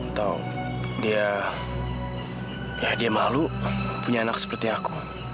atau dia malu punya anak seperti aku